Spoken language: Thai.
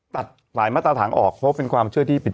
ตัดหลายมาตรฐานออกเพราะเป็นความเชื่อที่ผิด